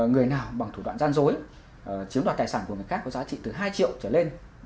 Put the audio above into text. người nào bằng thủ đoạn gian dối chiếm đoạt tài sản của người khác có giá trị từ hai triệu trở lên